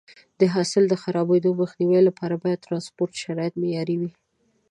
د حاصل د خرابېدو مخنیوي لپاره باید د ټرانسپورټ شرایط معیاري وي.